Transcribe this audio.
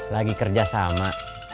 lagi kerja sama